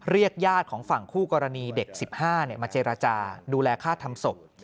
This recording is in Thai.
ญาติของฝั่งคู่กรณีเด็ก๑๕มาเจรจาดูแลค่าทำศพ